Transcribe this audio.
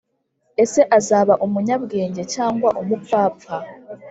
Ese azaba umunyabwenge cyangwa umupfapfa